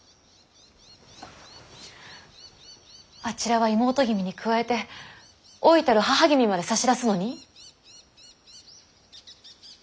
あちらは妹君に加えて老いたる母君まで差し出すのに？